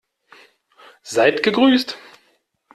Seid gegrüßt!